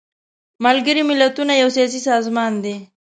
ملګري ملتونه یو سیاسي سازمان دی.